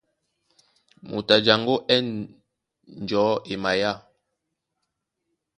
Moto a jaŋgó á ɛ̂n njɔ̌ e maya.